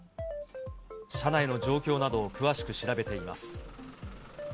車内の状況などを詳しく調べています。